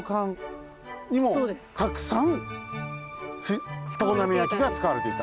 たくさん常滑焼が使われていた？